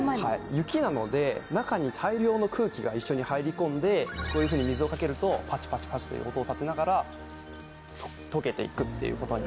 雪なので中に大量の空気が一緒に入り込んでこういうふうに水をかけるとパチパチパチという音をたてながら溶けていくっていうことに。